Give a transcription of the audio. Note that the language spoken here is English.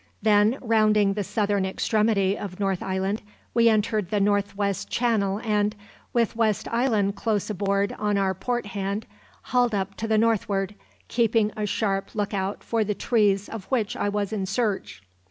Then, rounding the southern extremity of North Island, we entered the North west Channel and, with West Island close aboard on our port hand, hauled up to the northward, keeping a sharp look out for the trees of which I was in search.